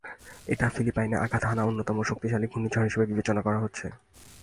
এটিকে ফিলিপাইনে আঘাত হানা অন্যতম শক্তিশালী ঘূর্ণিঝড় হিসেবে বিবেচনা করা হচ্ছে।